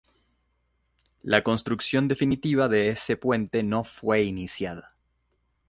La construcción definitiva de ese puente no fue iniciada.